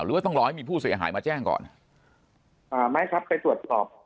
หรือว่าต้องรอให้มีผู้เสียหายมาแจ้งก่อนอ่าไหมครับไปตรวจสอบ